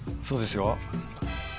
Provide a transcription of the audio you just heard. そうですよ。